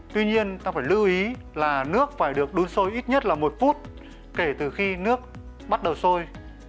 tuy nhiên ta phải lưu ý là nước phải được đun sôi ít nhất là một phút kể từ khi nước bắt đầu sôi